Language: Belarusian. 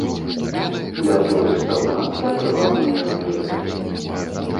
Для турыстаў надта прывабныя аб'екты.